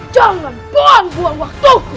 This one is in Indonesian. jangan buang buang waktuku